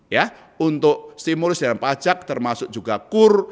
ya untuk stimulus dalam pajak termasuk juga kur